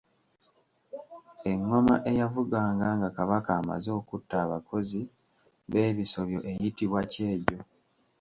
Engoma eyavuganga nga Kabaka amaze okutta abakozi b’ebisobyo eyitibwa Kyejo.